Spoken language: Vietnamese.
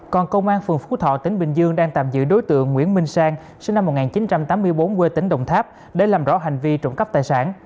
còn công an phường phú thọ tỉnh bình dương đang tạm giữ đối tượng nguyễn minh sang sinh năm một nghìn chín trăm tám mươi bốn quê tỉnh đồng tháp để làm rõ hành vi trộm cắp tài sản